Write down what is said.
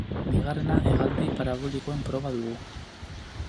Bigarrena hegaldi parabolikoen proba dugu.